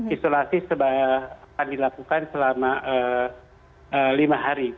isolasi akan dilakukan selama lima hari